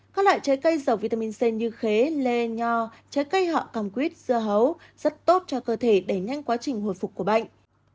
các loại trái cây giàu vitamin c như khế lê nho trái cây họ cằm quýt dưa hấu rất tốt cho cơ thể để nhanh quá trình hồi phục của bệnh